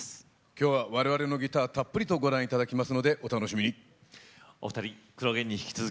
きょうはわれわれのギターたっぷりとお聴きいただきますのでお楽しみに。